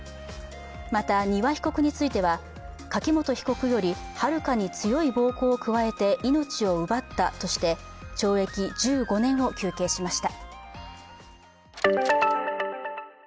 また、丹羽被告については、柿本被告よりはるかに強い暴行を加えて命を奪ったとして懲役１５年を求刑しました。